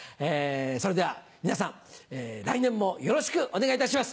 それでは皆さん来年もよろしくお願いいたします。